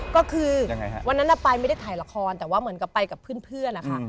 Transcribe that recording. ก็คือวันนั้นไปไม่ได้ถ่ายละครแต่ว่าเหมือนกับไปกับเพื่อนนะคะ